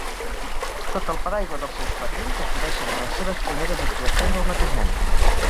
Sota el paraigua dels seus padrins acudeixen a les seves primeres actuacions el mateix any.